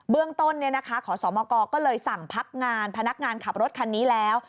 เรื่องต้นขอสมกก็เลยสั่งพักงานพนักงานขับรถคันนี้แล้ว